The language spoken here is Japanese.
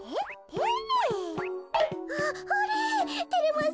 あっあれ？